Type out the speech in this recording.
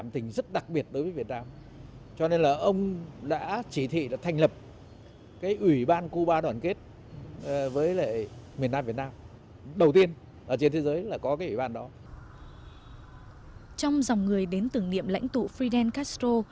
trong dòng người đến tưởng niệm lãnh tụ fidel castro